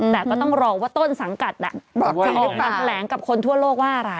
แต่ก็ต้องรอว่าโต้นสังกัดจะออกมาแผ่นแหลงกับคนทั่วโลกว่าอะไร